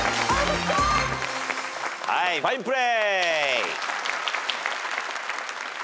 はいファインプレー。